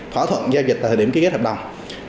thỏa thuận giao dịch tại thời điểm ký kết hợp đồng